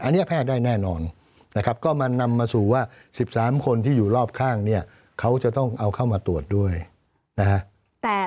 อันนี้แพทย์ได้แน่นอนนะครับก็มานำมาสู่ว่า๑๓คนที่อยู่รอบข้างเนี่ยเขาจะต้องเอาเข้ามาตรวจด้วยนะฮะ